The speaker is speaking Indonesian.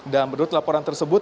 dan menurut laporan tersebut